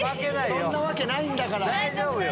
そんなわけないんだから。